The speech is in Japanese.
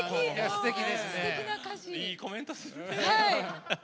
いいコメントするね。